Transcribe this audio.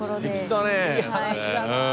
いい話だな。